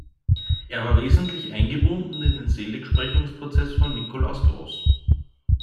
Er war wesentlich eingebunden in den Seligsprechungsprozess von Nikolaus Groß.